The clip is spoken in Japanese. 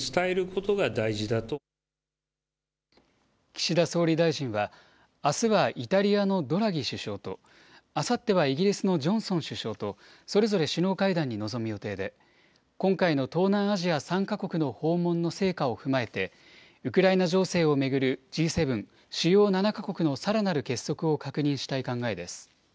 岸田総理大臣はあすはイタリアのドラギ首相と、あさってはイギリスのジョンソン首相と、それぞれ首脳会談に臨む予定で、今回の東南アジア３か国の訪問の成果を踏まえて、ウクライナ情勢を巡る、Ｇ７・主要７か国のさらなる結束を確認したい考えです。